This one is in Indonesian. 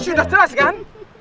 sudah jelas kan